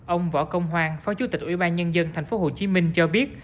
ông võ công hoàng phó chủ tịch ubnd thành phố hồ chí minh cho biết